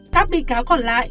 các bị cáo còn lại